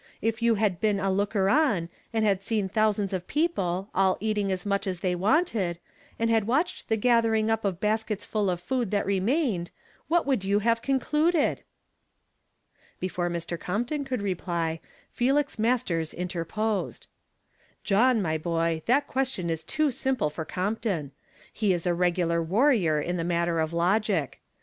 If you had been a looker on, and had seen thou sands of people, all eating as much as they wanted, and had watched the gathering up of baskets full of food that remained, \yhat would 3'ou have concluded?" Before Mr. Compton could reply, Felix Masters interposed. "THEY HAVE TAUGHT Til HI II TONGUK." 20.') '•Ij " Joliii, my boy, tluit question is too simple for Com[)toii. lie is a regular warrior in the matter of lo^Mc.